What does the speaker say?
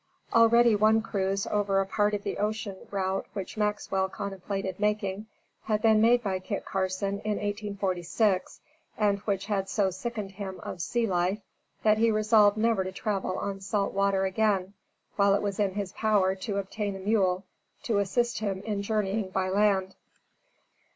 Already one cruise over a part of the ocean route which Maxwell contemplated making, had been made by Kit Carson in 1846, and which had so sickened him of sea life, that he resolved never to travel on salt water again while it was in his power to obtain a mule to assist him in journeying by land.